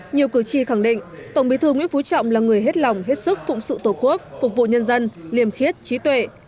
nhiều cử tri khẳng định tổng bí thư nguyễn phú trọng là người hết lòng hết sức phụng sự tổ quốc phục vụ nhân dân liềm khiết trí tuệ